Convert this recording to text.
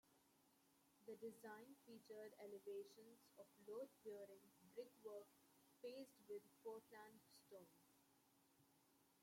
The design featured elevations of load-bearing brick work faced with Portland stone.